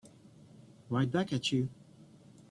Right back at you.